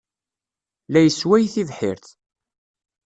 La yessway tibḥirt.